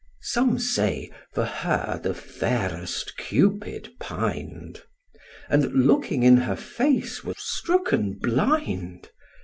Some say, for her the fairest Cupid pin'd, And, looking in her face, was strooken blind.